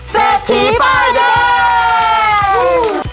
เศรษฐีป้าเงิน